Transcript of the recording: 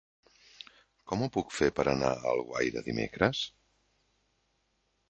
Com ho puc fer per anar a Alguaire dimecres?